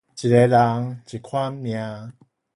一个人一款命